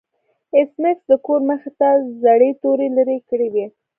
ایس میکس د کور مخې ته زړې توري لرې کړې وې